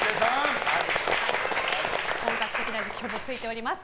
本格的な実況もついております。